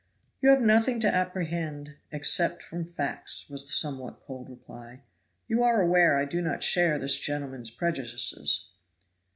"You have nothing to apprehend except from facts," was the somewhat cold reply. "You are aware I do not share this gentleman's prejudices."